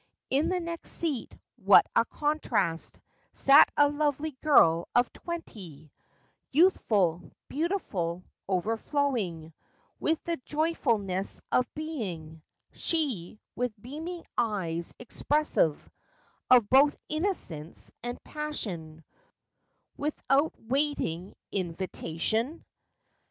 In the next seat—what a contrast— Sat a lovely girl of twenty, Youthful, beautiful, o'erflowing With the joyfulness of being ; She, with beaming eyes expressive Of both innocence and passion; Without waiting invitation, 36 FACTS AND FANCIES.